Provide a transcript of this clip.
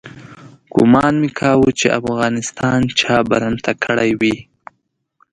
ګومان مې کاوه چې افغانستان چا برمته کړی وي.